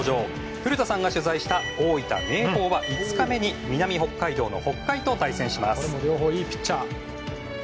古田さんが取材した大分・明豊は５日目に南北海道の北海と対戦します。